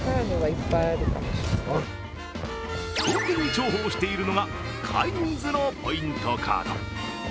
特に重宝しているのがカインズのポイントカード。